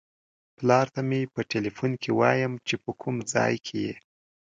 پلار ته مې په ټیلیفون کې وایم چې په کوم ځای کې یې.